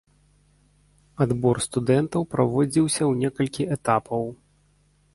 Адбор студэнтаў праводзіўся ў некалькі этапаў.